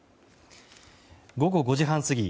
午後５時半過ぎ